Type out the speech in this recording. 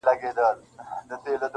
د هر چا په نزد له لوټي برابر یم -